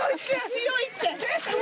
強いって！